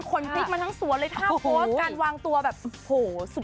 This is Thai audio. คนพลิกมาทั้งสวนเลยท่าโพสต์การวางตัวแบบโอ้โหสุด